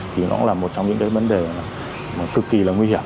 thì nó cũng là một trong những cái vấn đề cực kỳ là nguy hiểm